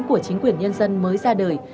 của chính quyền nhân dân mới ra đời